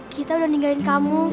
kita udah ninggalin kamu